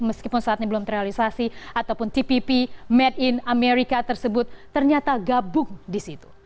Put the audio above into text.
meskipun saat ini belum terrealisasi ataupun tpp made in amerika tersebut ternyata gabung di situ